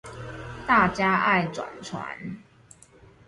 大家愛轉傳